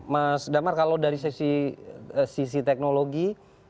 mas damar kalau dari sisi teknologi